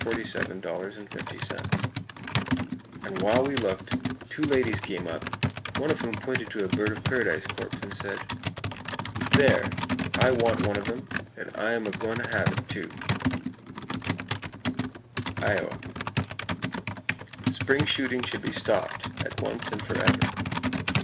50; and while we looked, two ladies came up, one of whom pointed to a bird of paradise corpse and said: "There! I want one o' them, an' I'm a goin' to have it, too!" Iowa: Spring shooting should be stopped, at once and forever.